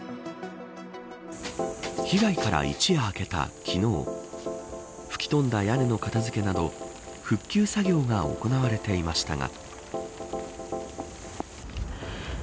被害から一夜明けた昨日吹き飛んだ屋根の片付けなど復旧作業が行われていましたが。